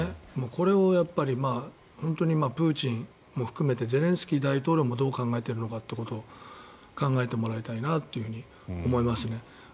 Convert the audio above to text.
これを本当にプーチンも含めてゼレンスキー大統領もどう考えいるのかということを考えてもらいたいなと思いますね。